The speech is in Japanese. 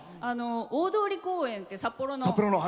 大通り公園って札幌の。